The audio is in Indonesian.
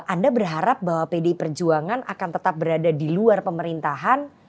anda berharap bahwa pdi perjuangan akan tetap berada di luar pemerintahan